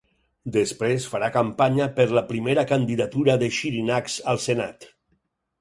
Després farà campanya per la primera candidatura de Xirinacs al Senat.